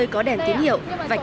cảm ơn các bác